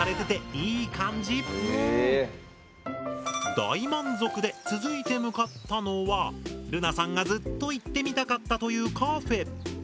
大満足で続いて向かったのはるなさんがずっと行ってみたかったというカフェ。